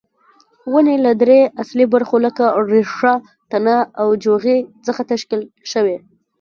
ونې له درې اصلي برخو لکه ریښه، تنه او جوغې څخه تشکیل شوې.